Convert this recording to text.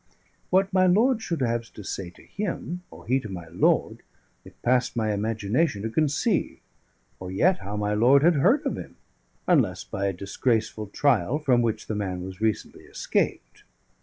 What my lord should have to say to him, or he to my lord, it passed my imagination to conceive: or yet how my lord had heard of him, unless by a disgraceful trial from which the man was recently escaped.